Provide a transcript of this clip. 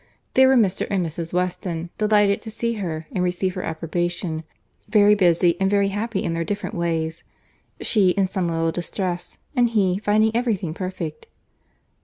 There were Mr. and Mrs. Weston; delighted to see her and receive her approbation, very busy and very happy in their different way; she, in some little distress; and he, finding every thing perfect.